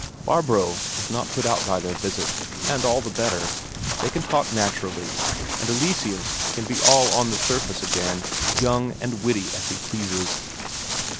Barbro is not put out by their visit, and all the better; they can talk naturally, and Eleseus can be all on the surface again, young and witty as he pleases.